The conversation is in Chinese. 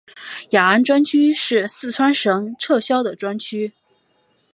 雅安专区是四川省已撤销的专区。